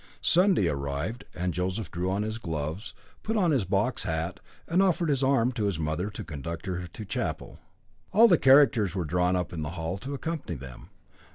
Sunday arrived, and Joseph drew on his gloves, put on his box hat, and offered his arm to his mother, to conduct her to chapel. All the characters were drawn up in the hall to accompany them.